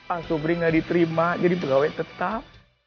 asobri enggak diterima jadi pegawai tetap